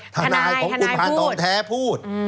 ทนายของคุณพานทองแท้พูด